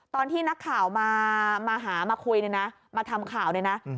ตอนที่นักข่าวมาหามาคุยนะมาทำข่าวนะ